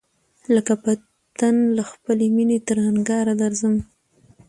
لکه پتڼ له خپلی مېني تر انگاره درځم